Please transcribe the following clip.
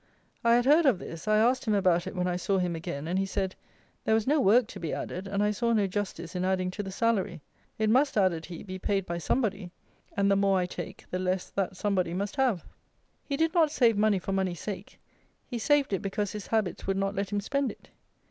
I had heard of this: I asked him about it when I saw him again; and he said: "There was no work to be added, and I saw no justice in adding to the salary. It must," added he, "be paid by somebody, and the more I take, the less that somebody must have." He did not save money for money's sake. He saved it because his habits would not let him spend it.